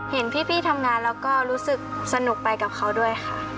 เห็นพี่ทำงานแล้วก็รู้สึกสนุกไปกับเขาด้วยค่ะ